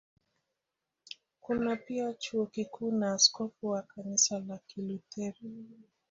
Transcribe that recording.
Kuna pia Chuo Kikuu na askofu wa Kanisa la Kilutheri.